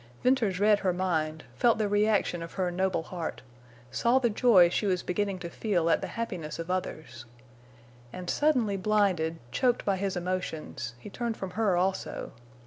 Venters read her mind—felt the reaction of her noble heart—saw the joy she was beginning to feel at the happiness of others. And suddenly blinded, choked by his emotions, he turned from her also.